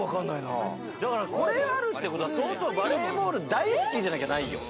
これあるってことは相当バレーボール大好きじゃなきゃないよ。